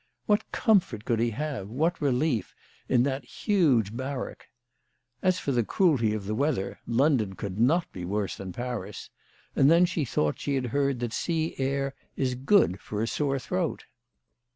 What comfort could he have, what relief, in that huge barrack ? As for the cruelty of the weather, London could not be worse than Paris, and then she thought she had heard that sea air is good for a sore throat.